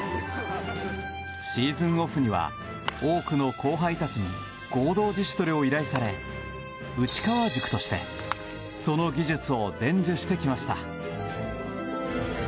シーズンオフには多くの後輩たちに合同自主トレを依頼され内川塾としてその技術を伝授してきました。